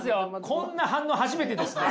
こんな反応初めてですね！